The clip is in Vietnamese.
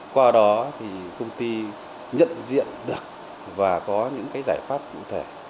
qua đó thì công ty nhận diện được và có những cái giải pháp cụ thể